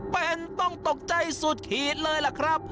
เป็นต้องตกใจสุดขีดเลยล่ะครับ